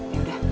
ya udah yuk